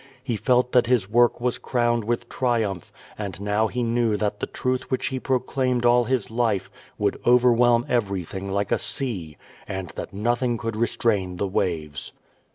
He felt that his work was crowned with triumph, and now he knew that the truth which he proclaimed all his life would overwhelm everything like a sea, and tliat nothing could restrain the waves.